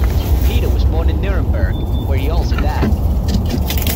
Peter was born in Nuremberg, where he also died.